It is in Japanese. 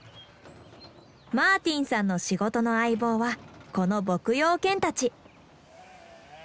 マーティンさんの仕事の相棒はこの牧羊犬たち。